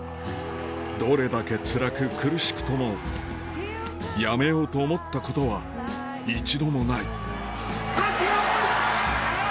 どれだけ辛く苦しくとも辞めようと思ったことは一度もないはっきよい！